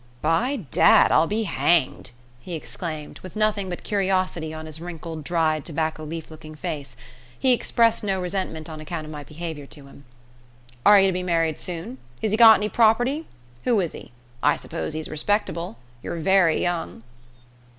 "By dad, I'll be hanged!" he exclaimed, with nothing but curiosity on his wrinkled dried tobacco leaf looking face. He expressed no resentment on account of my behaviour to him. "Are ye to be married soon? Has he got any prawperty? Who is he? I suppose he's respectable. Ye're very young."